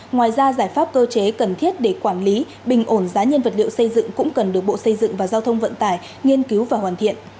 ngoài ra giải pháp cơ chế cần thiết để quản lý bình ổn giá nhân vật liệu xây dựng cũng cần được bộ xây dựng và giao thông vận tải nghiên cứu và hoàn thiện